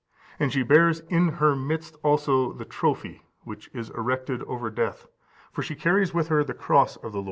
And she bears in her midst also the trophy (which is erected) over death; for she carries with her the cross of the Lord.